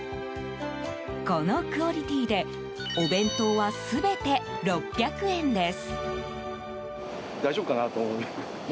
このクオリティでお弁当は全て６００円です。